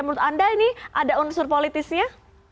menurut anda ini ada unsur politisnya